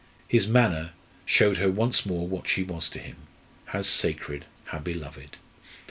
His manner showed her once more what she was to him how sacred, how beloved.